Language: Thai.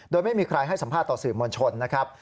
โดยไม่มีใครให้สัมภาษณ์ต่อสื่อมวลชนนะครับ